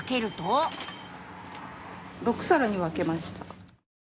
・６さらに分けました。